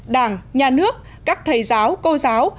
đảng nhà nước các thầy giáo cô giáo